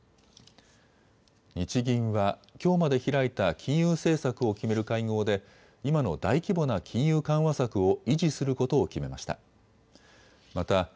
日銀はきょうまで開いた金融政策を決める会合で今の大規模な金融緩和策を維持することを決めました。